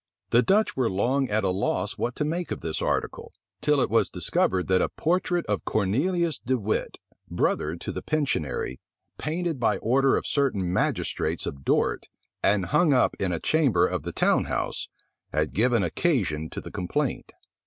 The Dutch were long at a loss what to make of this article, till it was discovered that a portrait of Cornelius de Wit, brother to the pensionary, painted by order of certain magistrates of Dort, and hung up in a chamber of the town house, had given occasion to the complaint.